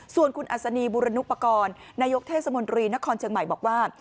ส่วนคุณอัศนีบุรณุปกรณ์นายกเทศมนตรีนครเชียงใหม่บอกว่า